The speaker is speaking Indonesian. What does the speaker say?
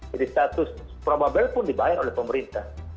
jadi status probable pun dibayar oleh pemerintah